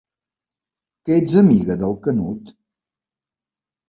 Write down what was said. ¿Que ets amiga del Canut?